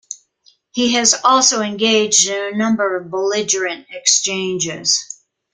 He has also engaged in a number of belligerent exchanges.